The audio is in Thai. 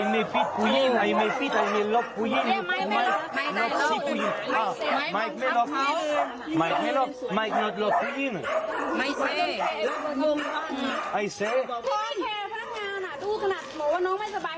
ไม่แคร์พนักงานอ่ะดูขนาดหมอว่าน้องไม่สบาย